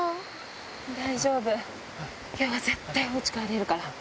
大丈夫今日は絶対お家帰れるから。